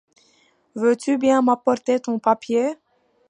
Veux-tu bien m’apporter ton papier !